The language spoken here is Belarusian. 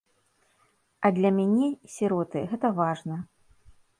А для мяне, сіроты, гэта важна.